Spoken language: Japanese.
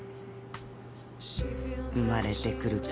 生まれてくる子